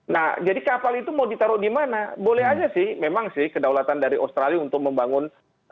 nah jadi kapal itu mau ditaruh di mana boleh aja sih memang sih kedaulatan dari australia untuk membangun